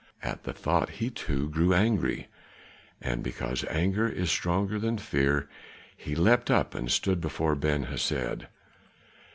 At the thought he too grew angry, and because anger is stronger than fear, he leapt up and stood before Ben Hesed.